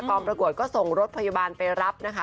ประกวดก็ส่งรถพยาบาลไปรับนะคะ